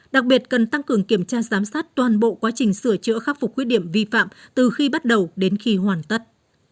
đặc biệt cần tăng cường kiểm tra giám sát toàn bộ quá trình sửa chữa khắc phục khuyết điểm vi phạm từ khi bắt đầu đến khi hoàn tất